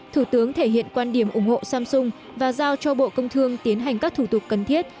thủ tướng thể hiện quan điểm ủng hộ samsung và giao cho bộ công thương tiến hành các thủ tục cần thiết